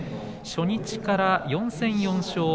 初日から４戦４勝。